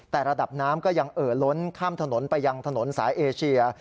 แต่ระดับน้ำก็ยังเอ่อล้นข้ามถนนไปยังถนนสายเอเชีย